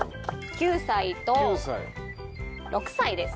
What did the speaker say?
９歳と６歳です。